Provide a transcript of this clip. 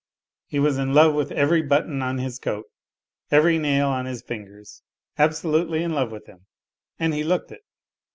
He was in love with every button on his coat, every nail on his fingers absolutely in love with them, and he looked it